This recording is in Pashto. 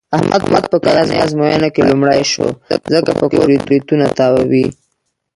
احمد په کلنۍ ازموینه کې لومړی شو. ځکه په کور کې برېتونه تاووي.